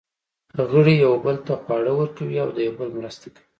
غړي یوه بل ته خواړه ورکوي او د یوه بل مرسته کوي.